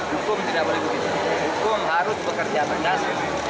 hukum tidak boleh begitu hukum harus bekerja tegas